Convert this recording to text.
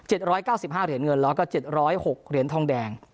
๗๙๕เหรียญเงินแล้วก็๗๐๖เหรียญทองแดง